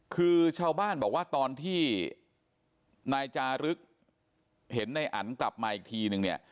คือชาวบ้านบอกว่าตอนที่นายจารึกเห็นในอันกลับมาอีกทีนึงเนี่ย